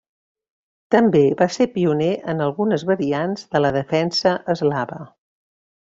També va ser pioner en algunes variants de la defensa eslava.